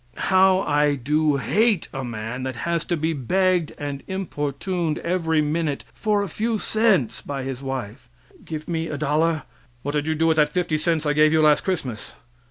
How I do hate a man that has to be begged and importuned every minute for a few cents by his wife. "Give me a dollar?" "What did you do with that fifty cents I gave you last Christmas?"